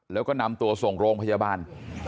แล้วก็นำตัวส่งโรงพยาบาล